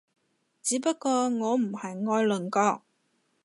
只不過我唔係愛鄰國